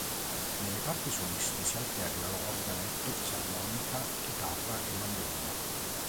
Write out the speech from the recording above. Nelle parti soliste si alternano organetto, fisarmonica, chitarra e mandolino.